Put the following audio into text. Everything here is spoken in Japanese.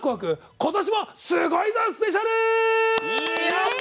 今年もすごいぞスペシャル」。